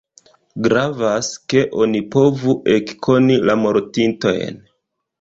Gravas, ke oni povu ekkoni la mortintojn.